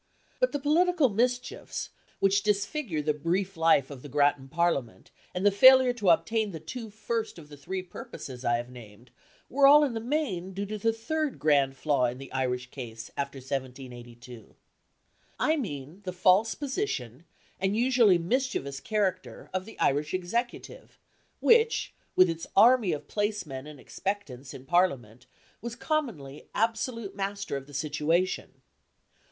But the political mischiefs, which disfigure the brief life of the Grattan Parliament, and the failure to obtain the two first of the three great purposes I have named, were all in the main due to the third grand flaw in the Irish case after 1782. I mean the false position, and usually mischievous character, of the Irish Executive, which, with its army of placemen and expectants in Parliament, was commonly absolute master of the situation.